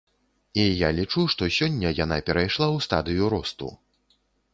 І я лічу, што сёння яна перайшла ў стадыю росту.